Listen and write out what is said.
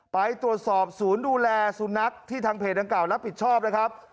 ไปตรวจสอบศูนย์ดูแลสุนัขที่ทางเพจดังกล่ารับผิดชอบนะครับ